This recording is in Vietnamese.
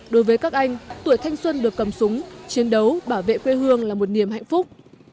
đối với các anh tuổi thanh xuân được cầm súng chiến đấu bảo vệ quê hương là một niềm hạnh phúc